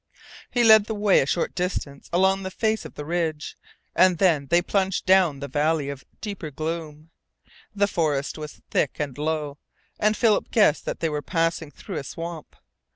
He led the way a short distance along the face of the ridge, and then they plunged down the valley of deeper gloom. The forest was thick and low, and Philip guessed that they were passing through a swamp.